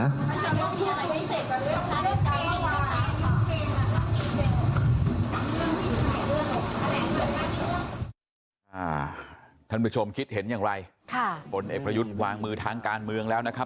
ท่านผู้ชมคิดเห็นอย่างไรค่ะผลเอกประยุทธ์วางมือทางการเมืองแล้วนะครับ